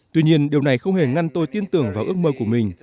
tuy nhiên điều này không hề ngăn tôi tin tưởng vào ước mơ của mình